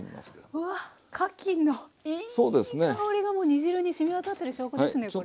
うわっかきのいい香りがもう煮汁にしみわたってる証拠ですねこれ。